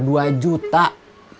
ini lah signing